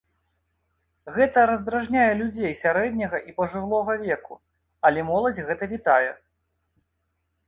Гэта раздражняе людзей сярэдняга і пажылога веку, але моладзь гэта вітае.